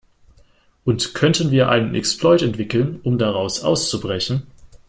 Und könnten wir einen Exploit entwickeln, um daraus auszubrechen?